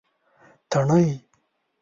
تڼۍ